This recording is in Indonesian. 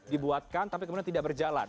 dibuatkan tapi kemudian tidak berjalan